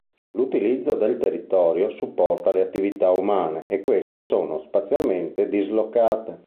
L'utilizzo del territorio supporta le attività umane e queste sono spazialmente dislocate.